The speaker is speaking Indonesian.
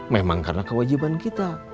memang karena kewajiban kita